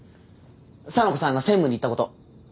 沙名子さんが専務に言ったこと。